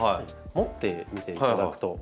持ってみていただくと。